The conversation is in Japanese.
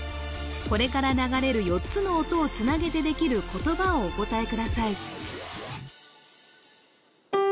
これから流れる４つの音をつなげてできる言葉をお答えください